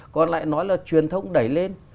còn lại nói là truyền thông đẩy lên